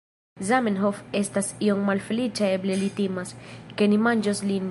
Zamenhof estas iom malfeliĉa eble li timas, ke ni manĝos lin